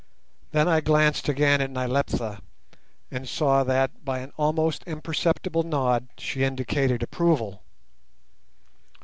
Then I glanced again at Nyleptha, and saw that, by an almost imperceptible nod, she indicated approval.